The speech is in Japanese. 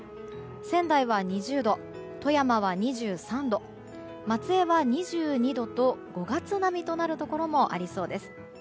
仙台は２０度、富山は２３度松江は２２度と５月並みとなるところもありそうです。